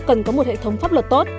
cần có một hệ thống pháp luật tốt